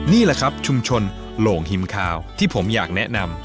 นี่แหละครับชุมชนโหลงฮิมคาวที่ผมอยากแนะนำ